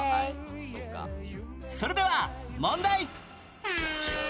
それでは問題